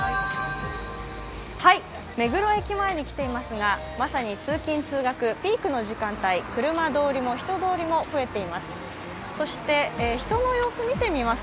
目黒駅前に来ていますがまさに通勤・通学ピークの時間帯、車通りも人通りも増えています。